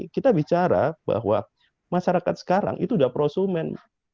kita bicara bahwa masyarakat sekarang itu sudah prosumen